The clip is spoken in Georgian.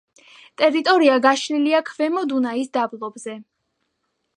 ტერიტორია გაშლილია ქვემო დუნაის დაბლობზე.